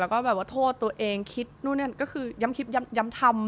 แล้วก็แบบว่าโทษตัวเองคิดนู่นนั่นก็คือย้ำคิดย้ำทำ